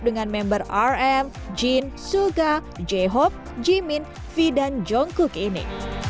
dengan member rm jin suga j hop jimin v dan jongkuk ini